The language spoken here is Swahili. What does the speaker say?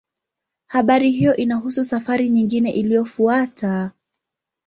Habari hiyo inahusu safari nyingine iliyofuata.